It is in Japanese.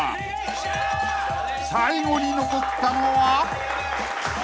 ［最後に残ったのは？］